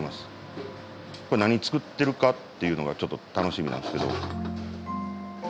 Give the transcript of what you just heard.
これ何作ってるかっていうのがちょっと楽しみなんですけど。